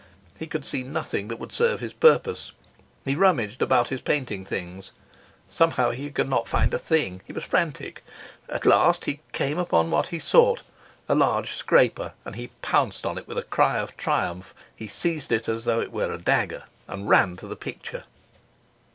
He could see nothing that would serve his purpose; he rummaged about his painting things; somehow he could not find a thing; he was frantic. At last he came upon what he sought, a large scraper, and he pounced on it with a cry of triumph. He seized it as though it were a dagger, and ran to the picture.